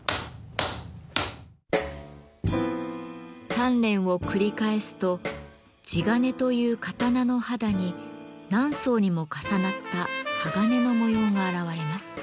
鍛錬を繰り返すと地鉄という刀の肌に何層にも重なった鋼の模様が現れます。